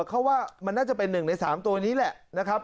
เขาว่ามันน่าจะเป็น๑ใน๓ตัวนี้แหละนะครับ